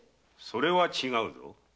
それは違うぞ。